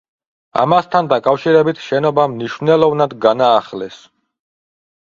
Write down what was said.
ამასთან დაკავშირებით შენობა მნიშვნელოვნად განაახლეს.